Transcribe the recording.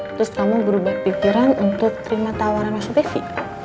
terus kamu berubah pikiran untuk terima tawaran mas yudhifi